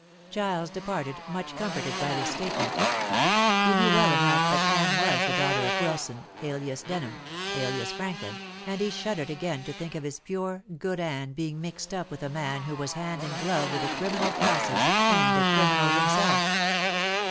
Giles departed, much comforted by this statement. He knew well enough that Anne was the daughter of Wilson, alias Denham, alias Franklin, and he shuddered again to think of his pure, good Anne being mixed up with a man who was hand and glove with the criminal classes and a criminal himself.